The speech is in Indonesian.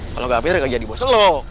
kalo gak pinter gak jadi bos lo